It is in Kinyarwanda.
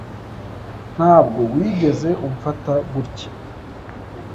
Ntabwo wigeze umfata gutya.